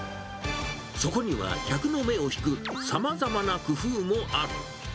そこには客の目を引くさまざまな工夫もある。